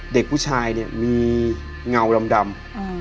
เด็กผู้ชายมีเงาดำ